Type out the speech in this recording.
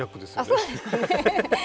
あっそうですね。